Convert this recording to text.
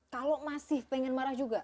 kalau masih pengen marah juga